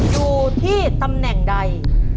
อยู่ที่ตำแหน่งใด